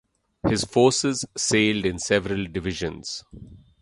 His forces sailed in several divisions.